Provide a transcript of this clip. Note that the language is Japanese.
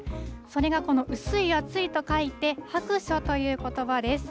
それがこの薄い、暑いと書いて薄暑ということばです。